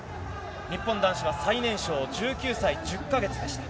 日本男子では最年少１９歳１０か月でした。